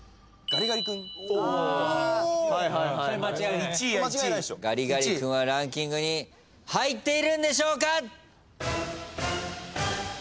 ガリガリ君はランキングに入っているんでしょうか？